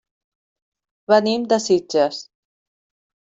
Venim de Sitges.